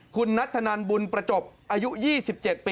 คุณนัทธนันบุญประจบอายุ๒๗ปี